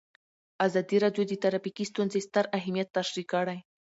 ازادي راډیو د ټرافیکي ستونزې ستر اهميت تشریح کړی.